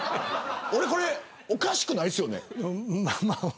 これ、おかしくないですよね。